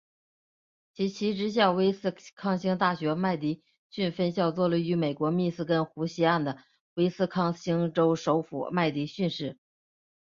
其旗帜校威斯康星大学麦迪逊分校坐落于美国密歇根湖西岸的威斯康星州首府麦迪逊市。